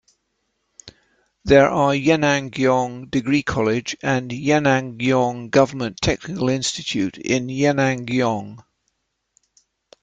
There are Yenangyaung Degree College and Yenangyaung Government Technical Institute in Yenangyaung.